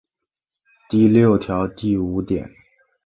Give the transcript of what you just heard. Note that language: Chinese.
第六条第五点